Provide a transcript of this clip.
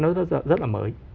nó rất là mới